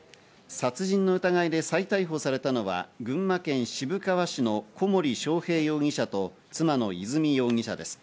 殺人の疑いで再逮捕されたのは群馬県渋川市の小森章平容疑者と妻の和美容疑者です。